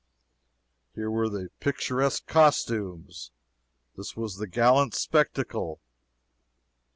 Here were the "picturesque costumes!" This was the "gallant spectacle!"